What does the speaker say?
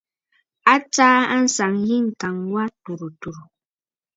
A tsaa àŋsaŋ yî ŋ̀kàŋ wà tùrə̀ tùrə̀.